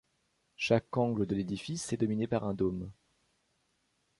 Chaque angle de l'édifice est dominé par un dôme.